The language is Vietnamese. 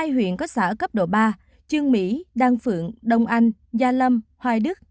một mươi hai huyện có xã cấp độ ba trương mỹ đan phượng đông anh gia lâm hoài đức